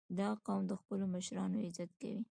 • دا قوم د خپلو مشرانو عزت کوي.